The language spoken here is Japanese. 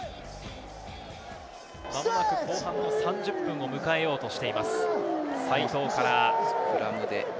まもなく後半の３０分を迎えようとしています。